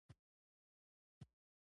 مرستې باید د ولس له خوښې وي.